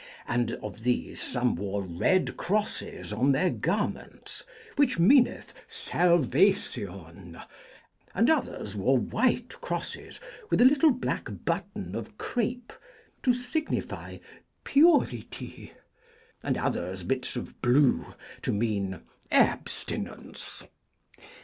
And of these some wore red crosses on their garments, which meaneth 'Salvation;' and others wore white crosses, with a little black button of crape, to signify 'Purity;' and others bits of blue to mean 'Abstinence.'